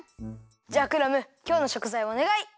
じゃあクラムきょうのしょくざいおねがい！